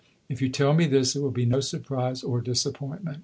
If you tell me this, it will be no surprise or disappointment.